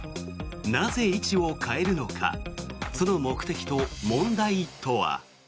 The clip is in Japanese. なぜ、位置を変えるのかその目的と問題とは。